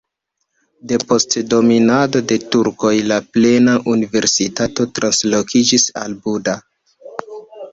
Depost dominado de turkoj la plena universitato translokiĝis al Buda.